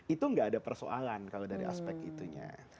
itu tidak ada persoalan dari aspek itunya